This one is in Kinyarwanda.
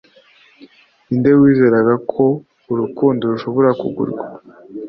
ninde wizeraga ko urukundo rushobora kugurwa